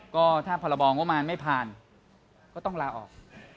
ก็ถ้าพรบองบมารไม่ผ่านก็ต้องลาออก